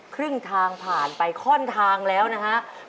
ครึ่งทางผ่านไปข้อนทางแล้วนะฮะ